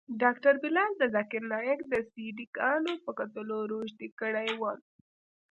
ډاکتر بلال د ذاکر نايک د سي ډي ګانو په کتلو روږدى کړى وم.